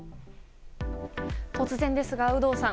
突然ですが有働さん